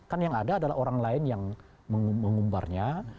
kan yang ada adalah orang lain yang mengumbarnya